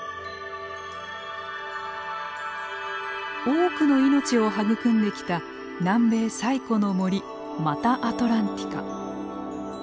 多くの命を育んできた南米最古の森マタアトランティカ。